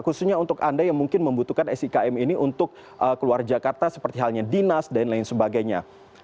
khususnya untuk anda yang mungkin membutuhkan sikm ini untuk keluar jakarta seperti halnya dinas dan lain sebagainya